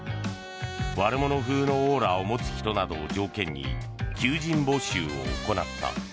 悪者風のオーラを持つ人などを条件に求人募集を行った。